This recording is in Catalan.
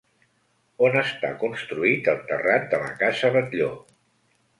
On està construït el terrat de la casa Batlló?